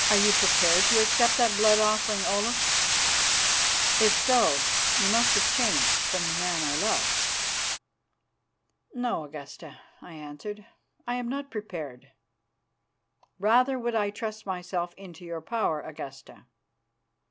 Are you prepared to accept that blood offering, Olaf? If so, you must have changed from the man I loved." "No, Augusta," I answered, "I am not prepared. Rather would I trust myself into your power, Augusta."